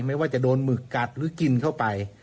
ไม่ว่าจะโดนหมึกกัดหรือกินเข้าไป